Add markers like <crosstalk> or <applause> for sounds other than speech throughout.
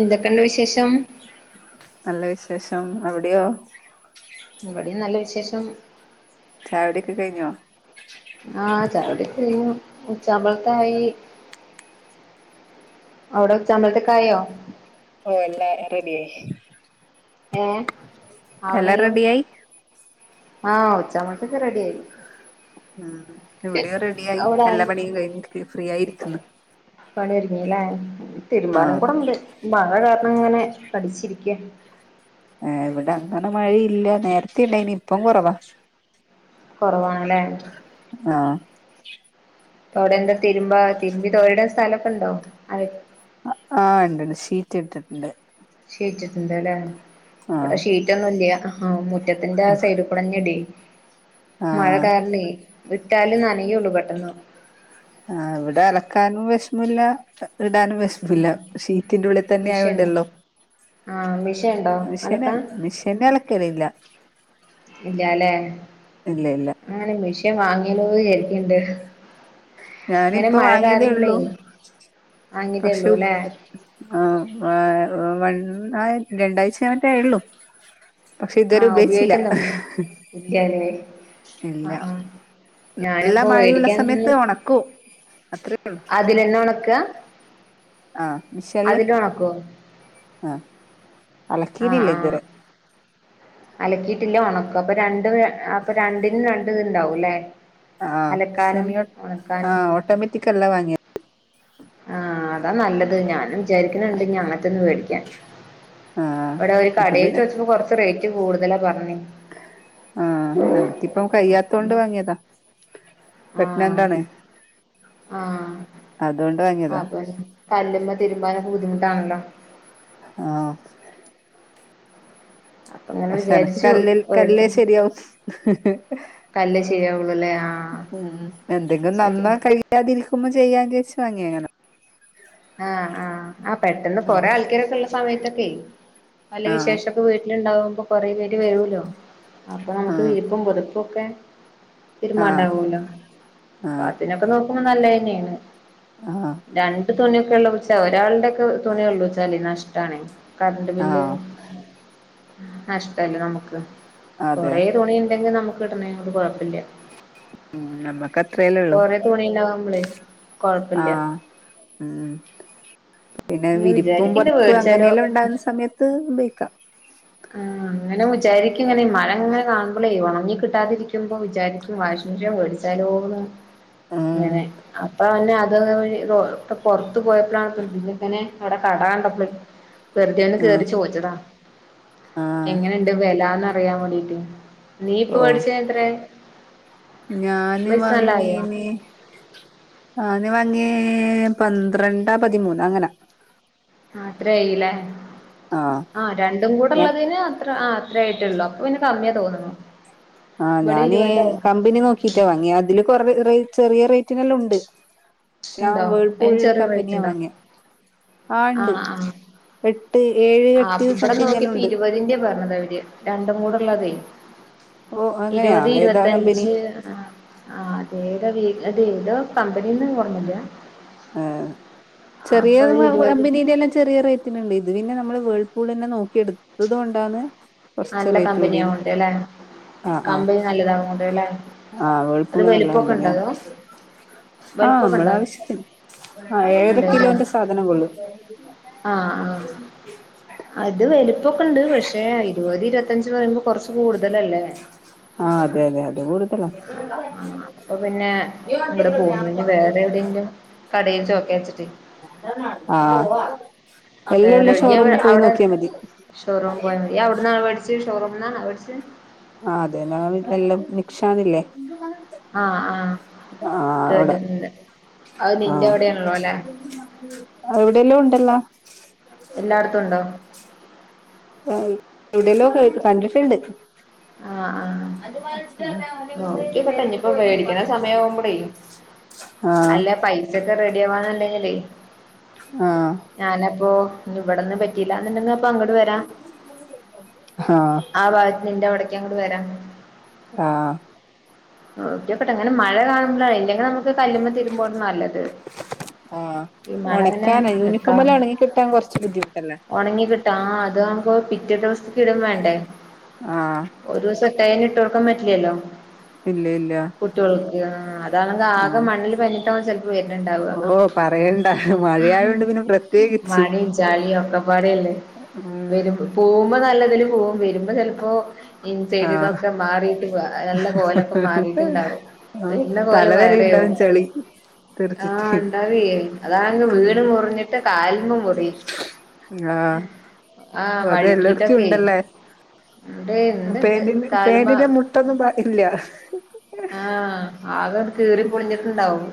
എന്തൊക്കെണ്ട് വിശേഷം നല്ല വിശേഷം അവിടെയോ ഇവിടെ നല്ല വിശേഷം ചായുടിയൊക്കെ കയിഞ്ഞോ ആ ചായുടി ഒക്കെ കയിഞ്ഞു ഉച്ചാമ്പളത്തായി അവിടെ ഉച്ചാമ്പളത്തെക്കായോ ഓ എല്ലാം റെഡിയായി ഏ എല്ലാം ആവണെള്ളു റെഡിയായി ആഹ ഉച്ചാമ്പളത്തെക്ക് റെഡി ആയി ഉം ഇവിടെയും റെഡിയായി അവിടെ ആയി എല്ലാ പണി കഴിഞ്ഞിരിക്ക് ഫ്രീ ആയിരിക്ക്ണ് പണി ഒരുങ്ങീലെ തിരുമ്പാനും ആഹ് കൂടെ ഇണ്ട് മഴ കാരണം ഇങ്ങനെ പഠിച്ചിരിക്ക ഏ ഇവിടെ അങ്ങനെ മഴയില്ല നേരത്തെ ഇണ്ടായിനി ഇപ്പം കുറവാ കൊറവാണലേ ആ അതോടെ എന്താ തിരുമ്പാ തിരുമ്പി തോരിടാൻ സ്ഥലൊക്കെ ഉണ്ടോ ആ ഇണ്ട് ഷീറ്റ് ഇട്ടിട്ടിണ്ട് ഷീറ്റിട്ട്ണ്ട്ലേ ഇവിടെ ആഹ് ഷീറ്റൊന്നുല്ല്യ ആ മുറ്റത്തിന്റെ ആ സൈഡ് കുടഞ്ഞടെ മഴ ആഹ് കാരണെ ഇട്ടാലും നനയുള്ളൂ പെട്ടെന്ന് ആ ഇവിടെ അലക്കാനും വെഷമല്ല ഇടാനും വെഷം ല്ല ആഹ് ഷീറ്റിന്റെ ഉള്ളിതന്നെ ആയൊണ്ടൊള്ളൊ ആ മിഷേ മിഷേൻ മിഷേനിലാലാക്കലില്ല ഇല്ലാല്ലേ ഇല്ല ഇല്ല അങ്ങനെ മിഷഷേൻ വാങ്ങിയാലോന്ന് വിചാരിക്കണ്ട് അങ്ങനെ ഞാനിപ്പ മഴ കാരണമ്പളേ വാങ്ങിയതുള്ളു വാങ്ങിയതേ ഉള്ളൂ പക്ഷെ അല്ലേ ആ വ രണ്ടായ്ച്ച മറ്റേ ആയുള്ളൂ പക്ഷെ ഇതുവരെ ഉപയോഗിച്ചില്ല ഇല്ല്യാലേ ഇല്ല ആ നല്ല ഞാനിപ്പോ മഴയുള്ള വേടിക്കാൻ സമയത്ത് ഒണക്കും അത്രേ ഉള്ളൂ അതിലന്നെ ഒണക്ക ആ മിഷേനിൽ ഒണക്കോ ആ ആഹ് അലക്കിയിനില്ലേ ആഹ് ഇതുവരെ അലക്കിയിട്ടില്ല ഒണക്കും അപ്പൊ രണ്ട് അപ്പൊ രണ്ടിനും രണ്ട് ഇത്ണ്ടാവുല്ലേ ആ സെമി ആ ഓട്ടോമാറ്റിക് അല്ല വാങ്ങിയേ ആ അതാ നല്ലത് ഞാനും വിചാരിക്കണണ്ട് അങ്ങനത്തൊന്ന് വേടിക്കാൻ ആഹ് ഇവിടെ ഒരു ഇപ്പം കടയിൽ പിന്നെ ചോയ്ച്ചപ്പോ കൊറച്ച് റേറ്റ് കൂടുതലാ പറഞ്ഞേ ആഹ എനക്കിപ്പം കയ്യാത്തോണ്ട് അപ്പൊന്നാ വാങ്ങിയതാ പ്രെഗ്നന്റാണ് ആ അതുകൊണ്ട് വാങ്ങിയതാ അതെ കല്ല്മ്മേ തിരുമ്പാനാ ബുദ്ധിമുട്ടാണല്ലോ ആഹ അപ്പൊ ഇങ്ങനെ പക്ഷെ എനക്ക് വിചാരിച്ചു കല്ലിൽ കല്ല് മേടിക്കാൻ ശെരിയാവു. കല്ല് ശരിയാവുള്ളൂല്ലേ ആഹ് ഉം എന്തെങ്കിലും ശരിയാ നന്ന കഴി കാതിരിക്കുമ്പോ ചെയ്യാന്ന്ച്ച് വാങ്യെണ്. ആഹ് ആ ആ പെട്ടെന്ന് ഉം കൊറെ ആൾക്കാരൊക്കെ ഉള്ള സമയത്തൊക്കെയി. പല ആഹ് വിശേഷ വരലുണ്ടാവുമ്പൊ കൊറേ പേര് വരുല്ലോ, അപ്പൊ നമുക്ക് ആഹ് വീപ്പും പുതുപ്പും ഒക്കെ ആഹ് തിരുമാണ്ടാവലോ. അപ്പൊ അതിനൊക്കെ നോക്കുമ്പോ നല്ലന്നെയേണ് ആഹ. രണ്ട് തുണിയൊക്കെള്ളച്ചാ, ഒരാളുടെയക്കെ തുണിയക്കൊളച്ചാലേ നഷ്ടാണേ. കറണ്ട് ബില്ല് ആഹ് നഷ്ടല്ലേ നമുക്ക്. അതെ കൊറെ തുണി ഉണ്ടെങ്കില് നമുക്ക് ഇടണെന് കൊഴപ്പില്ല. ഉം നമ്മക്ക് അത്രയല്ലേ ഉള്ളൂ. <unintelligible> ആ കൊഴപ്പില്ല ഉം. പിന്നെ അങ്ങനെ വിരിപ്പും വിചാരിക്കണ്ട് പുതപ്പും മേടിച്ചാലോ അങ്ങനെയെല്ലാം ഉണ്ടാകുന്ന സമയത്ത് ഉപയോഗിക്കാം. ആ അങ്ങനെ വിചാരിക്കും ഇങ്ങനെ മഴങ്ങനെ കാണുമ്പോളേ, ഒണങ്ങി കിട്ടാതിരി കുമ്പോ വിചാരിക്കും വാഷിംഗ് മിഷൻ മേടിച്ചാലോന്നു. ഉം അങ്ങനെ അപ്പ ന്ന അത <unintelligible> പുറത്ത് പോയപ്പോഴാണ് <unintelligible> ങ്ങനെ അവിടെ കട കണ്ടപ്ളെ വെറുതെന്ന് ഉം കേറി ചോദിച്ചതാ. ആഹ് എങ്ങനെണ്ട് വിലന്ന്റിയാൻ വേണ്ടീട്ട് നീ ഇപ്പ ഓഹ് മേടിച്ചതത്രെ? ഞാന് വങ്ങേന്, ഞാന് വാങ്ങേ പന്ത്രണ്ട പതിമൂന്ന അങ്ങനാ. അത്രയില്ലേ. ആഹ് ആ രണ്ടും ഞാൻ കൂടെള്ളതിന് അത്ര ആ ത്രായിട്ടോള്ളൂ. അപ്പൊ പിന്നെ കമ്മിയാ തോന്നുന്നു. ആ ഇവിടെ ഞാന് ഇരുപതാവും കമ്പനി നോക്കിട്ടാ വാങ്ങിയ. അതില് കൊറവെ ചെറിയ റേറ്റിനെല്ലാം ഉണ്ട്. ഞാൻ ഉണ്ടോ വേൾപൂൾ അതിന് ചെറിയ റേറ്റ് കമ്പനിയാ ഉണ്ടോ വാങ്യെ. ആ ഇണ്ട് ആ ഇവിടെ നോക്കിയപ്പോ ഇരുപതിന്റെയാ പറഞ്ഞത് അവര്. രണ്ടും കൂടെ ഉള്ളതേ. ഓ അങ്ങനെയാ ഇരുപത് ഏതാ കമ്പനി ഇരുപത്തഞ്ച്, ആ അതെ ഏത അത ഏതോ കമ്പനീന്ന് ഓർമില്ല. ആ ചെറിയ ഇരുപത് കമ്പിനീന്റെല്ലാം ചെറിയ റേറ്റ് ണ്ട്. ഇത് പിന്നെ നമ്മള് വേൾപൂൾന്നെ നോക്കിയെടുത്തത് കൊണ്ടാണ് കൊറച്ച് നല്ല റേറ്റ് കമ്പനി കൂടീത്. ആവോണ്ട് ല്ലേ ആഹ ആഹ കമ്പനി നല്ലതാവോണ്ട് ല്ലേ ആ അത് വേൾപൂൾ നല്ല വലിപ്പൊക്കെ ഇണ്ടോ കമ്പിനിയാണ്. അതോ ആഹ വലിപ്പൊക്കെ നമ്മള ഇണ്ടോ ആവശ്യത്തിന്. ആ ഏഴര ഇണ്ട്ല്ലേ കിലോന്റെ സാധനം കൊള്ളും. ആഹ് ആ അത് വലുപ്പൊക്കെണ്ട് പക്ഷെ ഇരുപത് ഇരുപത്തഞ്ച്, റ്റ് പറയുമ്പോ കുറച്ച് കൂടുതലല്ലേ. ആഹ അതേലെ അത് കൂടുതല. ആഹ് അപ്പൊ പിന്നെ ഇങ്ട് പോന്ന്‌. ഇനി വേറെ എവിടെയെങ്കിലും കടയിൽ ചൊയ്ക്ക വെച്ചിട്ട്. ആഹ എല്ലാം ഉള്ള ഷോറൂമിൽ പോയി നോക്കിയാ മതി. ഷോറൂ പോയാ മതി. നി അവിടുന്നാണ മേടിച്ചേ ഷോറൂംന്നാണ മേടിച്ചേ. ആ അതെ ഞ <unintelligible> ആഹ് ആഹ കേട്ടണ്ട്. ആഹ അവിഡെല്ലോം ഉണ്ടല്ല. എല്ലാടത്തും ഉണ്ടോ? ആ എവിടെയല്ലോക്കെ കേ കണ്ടിട്ടുണ്ട്. ആ ആ. ഇനിയിപ്പോ മേടിക്കണ സമയമാവുമ്പോളേ <unintelligible> ആഹ <unintelligible> ക്കെ റെഡി ആവാന്നുണ്ടെങ്കിലേ ആഹ ഞാനപ്പോ ഇവിടന്നും പറ്റിയില്ല എന്നുണ്ടങ്കെന്ന അപ്പൊ ങ്ങട് വരാ. ആഹ് ആ ഭാഗത്തിന്റെ അവിടേക്കാ അങ്ങൂടെ വരാം ആഹ് <unintelligible> അങ്ങനെ മഴ കാണുമ്പോഴാണ് ഇല്ലെങ്കിൽ നമുക്ക് കല്ലുമ്മ തിരുമ്പാണ് നല്ലത് ആഹ് ഈ മഴ അങ്ങനെ ഒണക്കാന് യൂണിഫോമെല്ലാം ഒണങ്ങി കിട്ടാൻ കുറച്ച് ബുദ്ധിമുട്ടല്ലേ ഒണങ്ങി കിട്ടാം ആ അത് ആവുമ്പോ പിറ്റേ ദിവസത്തക്ക് ഇടുവോ വേണ്ടേ ആഹ് ഒരു ദിവസം ഇട്ടതന്നെ ഇട്ടോടുക്കാൻ പറ്റില്ലല്ലോ ഇല്ല ഇല്ല കുട്ട്യോൾക്ക് ആ അതാണെങ്കിൽ ആകെ ആഹ് മണ്ണിൽ പെരന്നിട്ടാവും ചെലപ്പോ വരുന്നുണ്ടാവുക ഓ പറയണ്ട മഴയായോണ്ട് പിന്നെ പ്രത്യേകിച്ച് മണി ചെളി ഒക്കെപ്പടയല്ലേ ഉം പോകുമ്പോ നല്ലതിൽ പോകും വരുമ്പോ ചെലപ്പോ ഇൻസൈഡ് ആഹ് ഇതൊക്കെ മാറിട്ട് നല്ല കോലം മാറിട്ടുണ്ടാവും ആഹ് വരുന്ന കോലം തലവരെ ഉണ്ടാവും വേറെവും ചെളി ആഹ് തെറിച്ചിട്ട് ഇണ്ടാവേ അതാണ ഉം വീണ് മുറിഞ്ഞിട്ട് കാൽമും മുറി ആഹ് ആഹ് അത് എല്ലായിടത്തും വഴക്കീട്ടൊക്കെ ഉണ്ടല്ലേ ഇണ്ടെ ഇണ്ട് ഇണ്ട് കാല്മ <unintelligible> ട്ടൊന്നും ഇല്ല ആഹ് ആകെങ്ങട് കീറി പൊളിഞ്ഞിട്ടുണ്ടാവും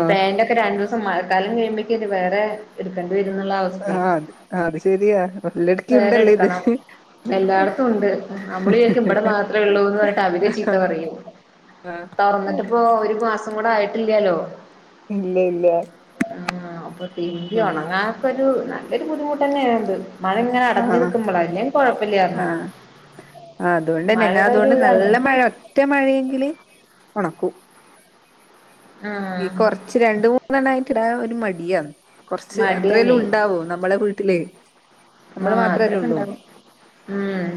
അ പേന്റെ രണ്ടു ദിവസ മഴക്കാലം കഴിയുമ്പോക്കും വേറെ എടുക്കേണ്ടിവരുന്ന അവസ്ഥ ആ അത് അത് ശെരിയാ എല്ല വേറെ ഇടക്കുണ്ടല്ലേ ഇത് എടുക്കണം എല്ലായിടത്തും ഉണ്ട് നമ്മള് വിചാരിക്കും ഇവിടെ മാത്രേ ഉള്ളൂന്ന് ആ തൊറന്നിട്ടിപ്പോ ഒരു മാസം കൂടെ ആയിട്ടില്ലാലോ ഇല്ല ഇല്ല ആ അപ്പൊ തിരുമ്പി ഉം ഒണങ്ങാൻ ഇപ്പൊ ഒരു നല്ലൊരു ബുദ്ധിമുട്ട് തന്നെയ ഇത് മഴ ഇങ്ങനെ അടഞ്ഞു ആഹ് നിൽക്കുമ്പോള അല്ലെ കൊഴപ്പമില്ലാരുന്നു ആ അതുകൊണ്ട്ന്നെ എന്നാ അതുകൊണ്ട് നല്ല മഴ ഒറ്റ മഴയെങ്കില് ഉണക്കൂ ഈ ആഹ് കൊറച്ച് രണ്ട് മൂന്നെണ്ണായിട്ടിടാൻ ഒരു മടിയാണ് കൊറച്ച് അത്രേല്ലും മടിയാണേ ഉണ്ടാവോ നമ്മളെ വീട്ടിലേ നമ്മള് ആഹ് മാത്രല്ലേ അത്രൊക്കെ ഉള്ളൂ ഉണ്ടാവും ഉം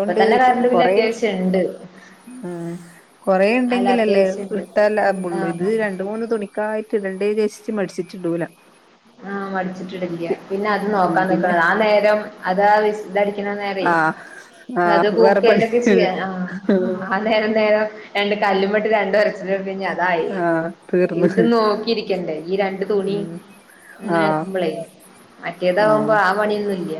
ഇപ്പൊ തന്നെ കറണ്ട് ബില് അത്യാവശ്യംണ്ട് ആ കൊറെ ഇണ്ടെങ്കിലല്ലേ അത്യാവശ്യം ഉണ്ട് ഇട്ടാൽ ലാ ള്ളൂ ഇത് ആഹ് രണ്ട് മൂന്ന് തുണിക്കായിട്ട് ഇടണ്ടേ വിചാരിചിട്ട് മടിച്ചിട്ടിടുല ആഹ് മടിച്ചിട്ടിടില്ല പിന്നെ അത് ഉം നോക്കാ നിക്കണ പിന്നെ ആ നേരം അതാ വിസിലടിക്കുന്ന നേര ആഹ് അത് ആഹ് വേറെ പണി കൂക്കൊക്കെ ചെയ്യാ ആ ആ നേരം നേരം രണ്ട് കല്ലുമട്ടി രണ്ട് ഒരച്ച പിന്നെ അതായി ആഹ് തീർന്ന് ഇത് നോക്കിയിരിക്കണ്ടേ ഈ രണ്ട് തുണി ഉം ആഹ് ഇങ്ങനെക്കുമ്പോളേ മറ്റേതാകുമ്പോ ആഹ് ആ പണിയൊന്നും ഇല്ല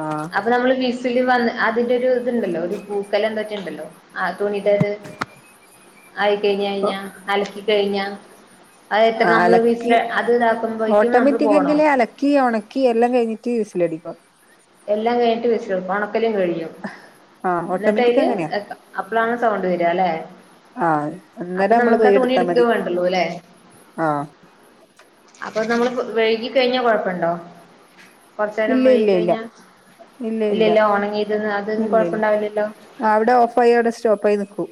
ആഹ് അപ്പൊ നമ്മള് വി സില് വന്ന് അതിന്റെ ഒരു ഇത്ണ്ടല്ലോ ഒരു കൂക്കല എന്താറ്റാണ്ടല്ലോ ആ തുണിട്ടര് ആയി കഴിഞ്ഞ കഴിഞ്ഞ അലക്കി കഴിഞ്ഞാ അത എത്ര നമ്മള് വീസില് അത് ഇതാക്കുമ്പോയി ഓട്ടോമാറ്റിക്കെങ്കിൽ അലക്കി ഒണക്കി എല്ലാം കഴിഞ്ഞിട്ട് വിസിലടിക്കും എല്ലാം കഴിഞ്ഞട്ട് വിസിലേക്കും ഒണക്കലും കഴിയും ആഹ് ഓട്ടോമാറ്റിക് എന്നിട്ടയ്ല് അങ്ങനെയാ അപ്പളാണ് സൗണ്ട് വരിക അല്ലെ ആഹ് അപ്പൊ അന്നേരം നമ്മള് നമുക്കാ പോയി തുണി എടുത്താ എടുക്ക മതി വേണ്ടുള്ളൂ അല്ലേ ആഹ് അപ്പൊ നമ്മള് വഴുകിക്കഴിഞ്ഞാൽ കുഴപ്പുണ്ടോ കൊറച്ച നേരം ഇല്ല വഴുകി ഇല്ല ഇല്ല കഴിഞ്ഞാൽ ഇല്ല ഇല്ലല്ലോ ഇല്ല ഒണങ്ങിയതന്ന് അതൊന്നും കൊഴപ്പം ഉണ്ടാവില്ലല്ലോ ആ അവിടെ ഓഫായിയ അവിടെ സ്റ്റോപ്പ് ആയി നിക്കും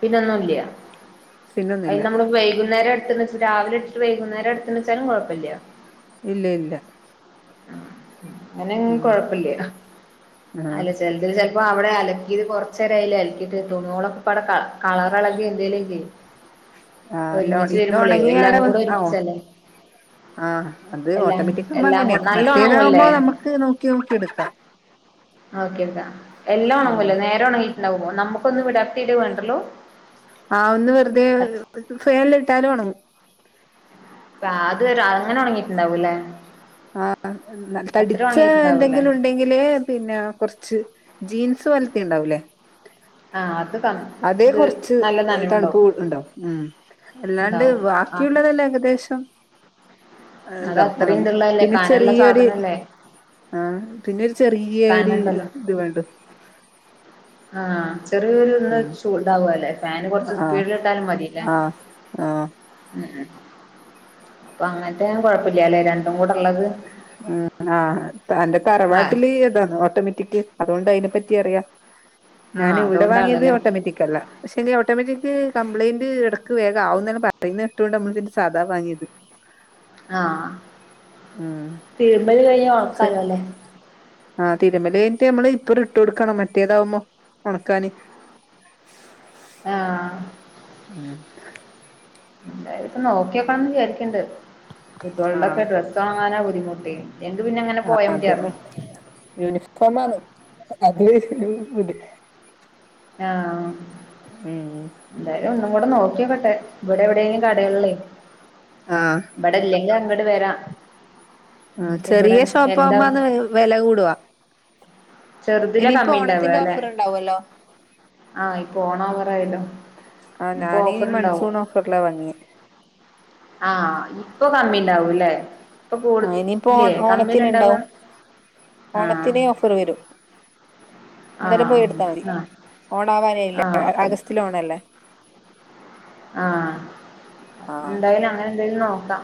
പിന്നൊന്നുല്ല്യ അതി പിന്നൊന്നുല്ല നമ്മള് വൈകുന്നേരം എടുത്തുന്ന് വെച്ച് രാവിലെ ഇട്ട് വൈകുന്നരം എടുത്തുന്നു വെച്ചാലും കുഴപ്പില്ല ഇല്ല ഇല്ല അങ്ങനെ ഉം കൊഴപ്പില്ല ആഹ് അല്ല ചില ഇതി ചിലപ്പോം അവിടെ അലക്കിയത് കുറച്ച നേരായിൽ അലക്കിയിട്ട് തണൂളൊക്കെ പടകളാം കളർളകി എന്തേലെങ്കിൽ ആഹ് ഒരുമിച്ച് ഇത് വരുമ്പോളയോ ഒണങ്ങിയ എല്ലാം അവിടെ കൂടെ ആഹ് ഒരുമിച്ചല്ലേ ആഹ് അത് എല്ലാം ഓട്ടോമാറ്റിക് സർമ എല്ലാം കൂടെ അങ്ങനെയാണ് നല്ല ഉണങ്ങുവല്ലേ മറ്റേതകുമ്പോ നമുക്ക് നോക്കി നോക്കി എടുക്കാം ഓക്കെതാ എല്ലാം ഉം ഉണങ്ങുമല്ലോ നേരെ ഉണങ്ങിട്ടുണ്ടാവ പോകോ നമുക്കൊന്ന് വിടർത്തിയിട്ട് വേണ്ടല്ലോ ആ ഒന്ന് വെറുതെ അത് ഫൻല ഇട്ടാല ഉണങ്ങും പ അത് വരാ അങ്ങനെ ഉണങ്ങിട്ടുണ്ടാവൂലേ ആ തടിച്ച എന്തെങ്കിലും ഉണ്ട ങ്കിൽ പിന്നെ കുറച്ച് ജീൻസ് വലത്തി ഉണ്ടാവൂല്ലേ ആഹ അത് ക അതെ ഇത് കുറച്ച് നല്ല തണുപ്പ് നനവുണ്ടാവും ഉണ്ടോ ഉം അല്ലാണ്ട് ഉണ്ടാവും ആ ബാക്കിയുള്ളതല്ലേ ഏകദേശം അത് ഇതാവ അത്രയും ഉണങ്ങും ഇതുള്ളതല്ലേ പിന്നെ കനമുള്ള ചെറിയൊരു സാധനല്ലേ ആഹ പിന്നെരു ചെറിയ ഒരു കനമുണ്ടല്ലോ ഇത് വേണ്ടു ആഹ ചെറിയൊരു ഒന്ന് ഉം ഷൂ ഇണ്ടാവല്ലെ ഫാന് കൊറച്ച് ആ സ്പീഡില ഇട്ടാലും മതില്ലേ ആ ആ ഉം ഉ അപ്പൊ അങ്ങനത്ത കുഴപ്പില്ലല്ലേ രണ്ടും കൂടെ ഉള്ളത് ഉ ആന്റെ ആ തറവാട്ടില് ഏതാണ് ഓട്ടോമാറ്റിക് അതുകൊണ്ട് അതിനെപ്പറ്റി അറിയാം ആ ഞാൻ ഇവിടെ വാങ്ങിയത് അതുകൊണ്ടാണല്ലേ ഓട്ടോമാറ്റിക് പക്ഷെ ഇനി ഓട്ടോമാറ്റിക് കപ്ലയിന്റ് ഇടക്ക് വേഗമാവും എന്നെ പറയുന്ന ഇട്ടുകൊണ്ട് നമ്മള ഇതിന്റെ സാധാ വാങ്ങിയത് ആഹ ഉം തിരുമ്പല് കഴിഞ്ഞഞ് ഉറക്കാലോ അല്ലേ ആ് തിരുമല കഴിഞ്ഞട്ട നമ്മള് ഇപ്പൊ ഇട്ട് കൊടുക്കണം മറ്റേതാവുമ്പോ ഉണക്കാന് ആഹ ഉം എന്തായാല ഇപ്പ നോക്കിയക്കണന്ന് വിചാരിക്കണ്ണ്ട് ആ കുട്ടികളുടെൊക്കെ ഡ്രസ്സ് ഉണങ്ങാനാ ബുദ്ധിമുട്ടി എന്റെ പിന്നെ അങ്ങനെ പോയൻ പറ്റായിരുന്നു യൂണിഫോം ആണ് അതില് <unintelligible> ആഹ ഉം എന്തായാലും ഒന്നും കൂടെ നോക്കിയോക്കട്ടെ ഇവിടെ എവിടെങ്കിലും കടയകള്ളേ ആഹ ഇവിടെ ഇല്ലെങ്കിൽ അങ്ങോട്ട് വരാം ആ ഇപ്പ ചെറിയ ഇവിടെ ഷോപ്പ് എന്താ ആവുമ്പോന്ന് വില കൂടുവാ ചെറുതിലെ ഇനിയിപ്പോ കമ്മിണ്ടാവ ഓണത്തിന്റെ അല്ലെ ഓഫർ ഉണ്ടാവല്ലോ ആഹ ഇപ്പ ഓണ ആവറായല്ലോ ആഹ് ഇപ്പൊ ഞാനീ ഓഫർ ഇണ്ടാവും മൺസൂൺ ഓഫറിലാ വാങ്ങിയെ ആഹ ഇപ്പൊ കമ്മ ണ്ടാവല്ലേ ഇപ്പൊ ആഹ് ഇനിയിപ്പോ കടുല്ല ഓ കമ്മില ഓണത്തിന് ഇണ്ടവാ ആഹ കുറവരു ഇന്നേരം പോയി ആഹ് എടുത്താൽ മതി ഓണ ആവാനല്ല ആഹ് ആഹ് അഗസ്റ്റില് ഓണല്ലേ ആഹ ആഹ് എന്തായാലും അങ്ങനെ എന്തെലും നോക്കാം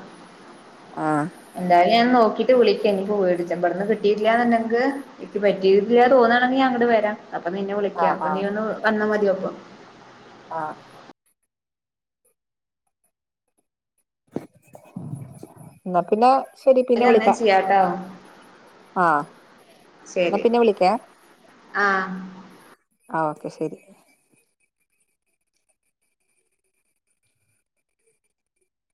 ആഹ എന്തായാലും ഞാ നോക്കിട്ട് വിളിക്കാ എനിക്ക് പോയിടിച്ച ഇവിടന്ന് കിട്ടില്ലാന്നുണ്ടെങ്കിൽ എനിക്ക് പറ്റിയിട്ടല്ല തോന്നാണെങ്കിൽ അങ്ങോട് വരാം അപ്പൊ നിന്നെ വിളിക്കാം ആഹ് അപ്പൊ നീ ആഹ് ഒന്ന് വന്നാ മതിപ്പൊ ആഹ എന്ന പിന്നെ അല്ല അങ്ങനെ ചെയ്യാട്ടോ ആ എന്നാ ശരി പിന്നെ വിളിക്കാ ആഹ് ആ ഓക്കെ ശരി